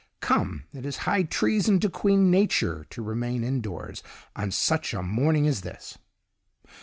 Come, it is high treason to Queen Nature to remain indoors on such a morning as this."